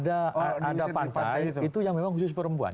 ada pantai itu yang memang khusus perempuan